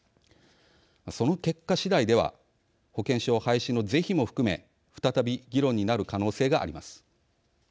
その結果次第では保険証廃止の是非も含め再び議論になる可能性があります。